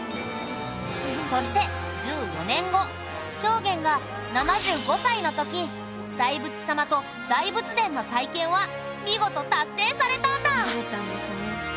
そして１４年後重源が７５歳の時大仏様と大仏殿の再建は見事達成されたんだ！